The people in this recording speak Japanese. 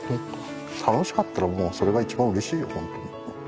楽しかったら、もうそれが一番うれしいよ、本当に。